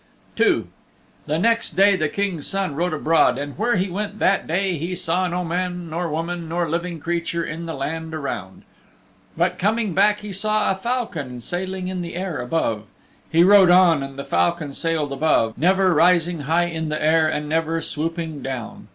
II The next day the King's Son rode abroad and where he went that day he saw no man nor woman nor living creature in the land around. But coming back he saw a falcon sailing in the air above. He rode on and the falcon sailed above, never rising high in the air, and never swooping down.